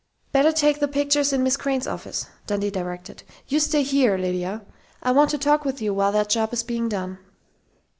Better take the pictures in Miss Crain's office," Dundee directed. "You stay here, Lydia. I want to talk with you while that job is being done."